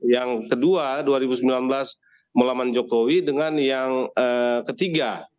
yang kedua dua ribu sembilan belas melaman jokowi dengan yang ketiga